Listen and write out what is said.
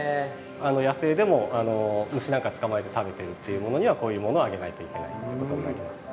野生でも虫なんか捕まえて食べてるっていうものにはこういうものをあげないといけないということになります。